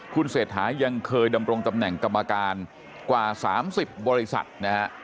คุณเศรษฐายังเคยดำรงตำแหน่งกรรมการกว่า๓๐บริษัทนะฮะ